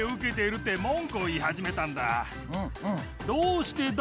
どうしてだ